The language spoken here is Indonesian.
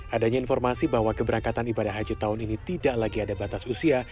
adanya informasi bahwa keberangkatan ibadah haji tahun ini tidak lagi ada batas usia